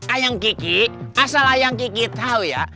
ayang kiki asal ayang kiki tau ya